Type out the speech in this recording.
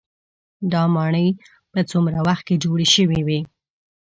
دا ماڼۍ په څومره وخت کې جوړې شوې وي.